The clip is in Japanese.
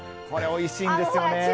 これ、おいしいんですよね。